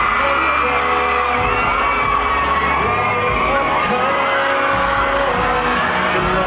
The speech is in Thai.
เพื่อมันรู้มันเห็นเขาสันติวะ